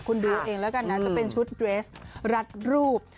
คุณดูเองแล้วกันนะจะเป็นชุดเรสรัดรูป